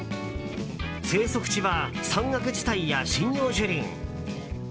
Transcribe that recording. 生息地は山岳地帯や針葉樹林。